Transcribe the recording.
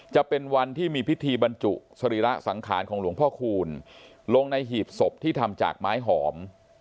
จะเป็นวันที่มีพิธีบรรจุสรีระสังขารของหลวงพ่อคูณลงในหีบศพที่ทำจากไม้หอม